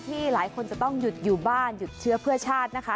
หลายคนจะต้องหยุดอยู่บ้านหยุดเชื้อเพื่อชาตินะคะ